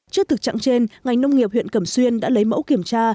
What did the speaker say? trước thực trạng trên ngành nông nghiệp huyện cẩm xuyên đã lấy mẫu kiểm tra